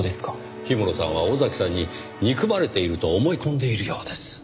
氷室さんは尾崎さんに憎まれていると思い込んでいるようです。